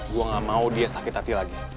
gue gak mau dia sakit hati lagi